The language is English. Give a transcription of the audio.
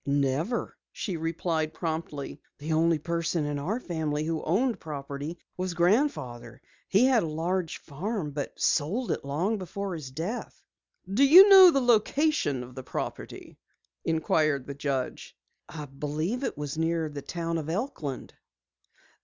"Never," she replied promptly. "The only person in our family who owned property was grandfather. He had a large farm but sold it long before his death." "Do you know the location of the property?" inquired the judge. "I believe it was near the town of Elkland."